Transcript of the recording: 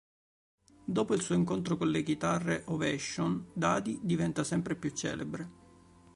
Dopo il suo incontro con le chitarre Ovation, Dadi diventa sempre più celebre.